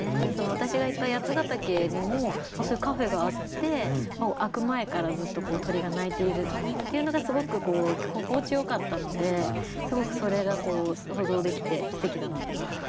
私が行った八ヶ岳にもそういうカフェがあって開く前からずっと鳥が鳴いているっていうのがすごく心地よかったのですごくそれが想像できてすてきだなと思います。